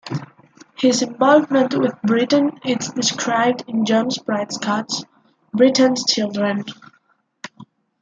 His involvement with Britten is described in John Bridcut's "Britten's Children".